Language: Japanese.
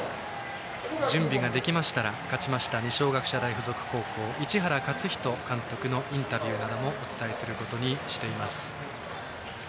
準備ができましたら勝ちました二松学舎大付属高校市原監督のインタビューなどもお伝えすることにしています。